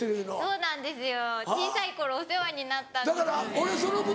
そうなんですよ。